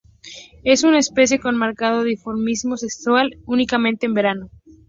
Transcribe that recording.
Es una especie con marcado dimorfismo sexual únicamente en verano.